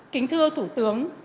kính thưa thủ tướng